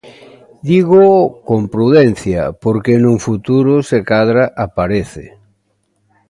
Dígoo con prudencia, porque nun futuro se cadra aparece.